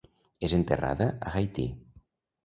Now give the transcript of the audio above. És enterrada a Haití.